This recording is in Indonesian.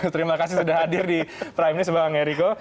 terima kasih sudah hadir di prime news bang eriko